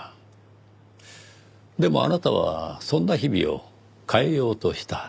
でもあなたはそんな日々を変えようとした。